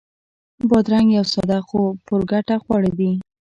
بادرنګ یو ساده خو پُرګټه خواړه دي.